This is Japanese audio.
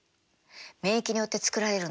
免疫によって作られるの。